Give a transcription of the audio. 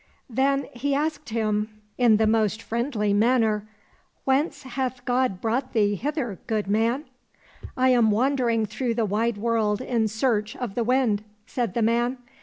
Then he asked him in the most friendly manner, " Whence hath God brought thee hither, good man ?"—" I am wandering through the wide world in search of the Wind," said the man.